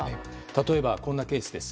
例えば、こんなケースです。